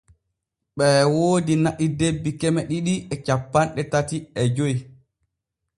Ɓee woodi na’i debbi keme ɗiɗi e cappanɗe tati e joy.